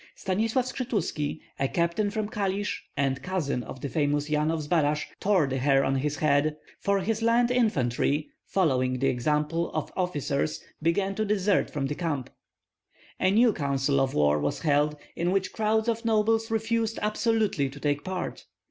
Stanislav Skshetuski, a captain from Kalisk and cousin of the famous Yan of Zbaraj, tore the hair on his head; for his land infantry, following the example of "officers," began to desert from the camp. A new council of war was held in which crowds of nobles refused absolutely to take part.